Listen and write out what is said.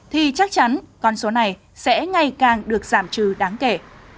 thì chắc chắn con số này sẽ ngày càng được giảm trừ đáng kể